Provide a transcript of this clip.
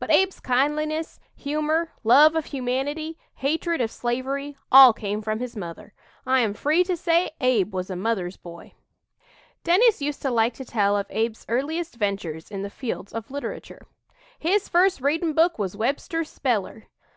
But Abe's kindliness, humor, love of humanity, hatred of slavery, all came from his mother. I am free to say Abe was a 'mother's boy.'" Dennis used to like to tell of Abe's earliest ventures in the fields of literature: "His first readin' book was Webster's speller.